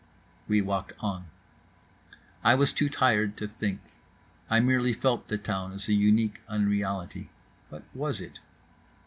We walked on. I was too tired to think. I merely felt the town as a unique unreality. What was it?